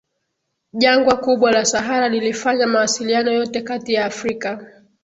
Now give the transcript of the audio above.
Jangwa kubwa la Sahara lilifanya mawasiliano yote kati ya Afrika